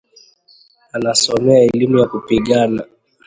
Anasomea elimu ya kupigana